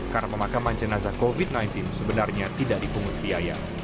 karena pemakaman jenazah covid sembilan belas sebenarnya tidak dipungut biaya